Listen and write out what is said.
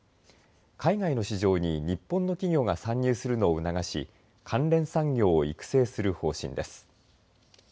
海外の市場に日本の企業が参入するのを促し関連産業を育成する方針です。